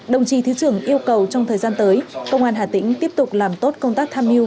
đồng chí thứ trưởng yêu cầu trong thời gian tới công an hà tĩnh tiếp tục làm tốt công tác tham mưu